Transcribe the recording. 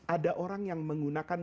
ada orang yang menggunakan